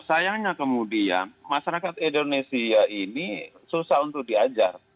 sayangnya kemudian masyarakat indonesia ini susah untuk diajar